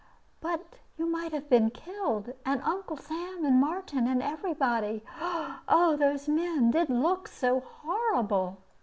"But you might have been killed, and Uncle Sam, and Martin, and every body. Oh, those men did look so horrible!"